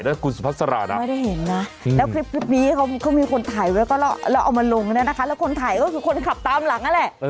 ตอนนี้เขามีคนถ่ายไว้แล้วเอามาลงแล้วนะคะแล้วคนถ่ายก็คือคนขับตามหลังนั่นแหละ